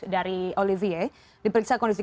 dari olivier diperiksa kondisi